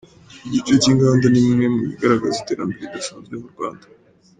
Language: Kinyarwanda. Igice cy’inganda ni bimwe mu bigaragaza iterambere ridasanzwe mu Rwanda.